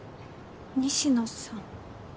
西野さん。